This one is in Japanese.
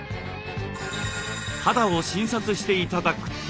肌を診察して頂くと。